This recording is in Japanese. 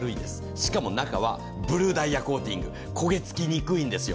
しかも中はブルーダイヤコーティング、焦げつきにくいんですよ。